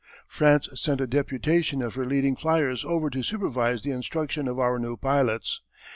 France sent a deputation of her leading flyers over to supervise the instruction of our new pilots.